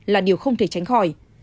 là điều không thể tránh khỏi